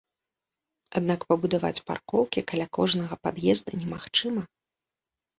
Аднак пабудаваць паркоўкі каля кожнага пад'езда немагчыма.